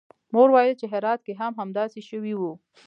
مور ویل چې هرات کې هم همداسې شوي وو